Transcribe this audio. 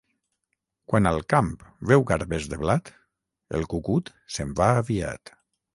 Quan al camp veu garbes de blat, el cucut se'n va aviat.